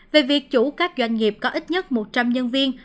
về việc chủ các doanh nghiệp có ít nhất một trăm linh nhân viên